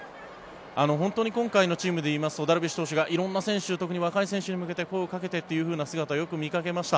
本当に今回のチームで言いますとダルビッシュ投手が色んな選手特に若い選手に向けて声をかけてというふうな姿をよく見かけました。